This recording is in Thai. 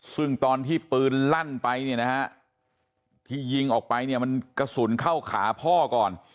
ซึ่งตอนที่ปืนลั่นไปเนี่ยนะฮะที่ยิงออกไปเนี่ยมันกระสุนเข้าขาพ่อก่อน